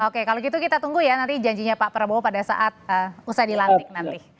oke kalau gitu kita tunggu ya nanti janjinya pak prabowo pada saat usai dilantik nanti